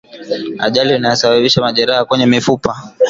Ajali inayosababisha majeraha kwenye mifupa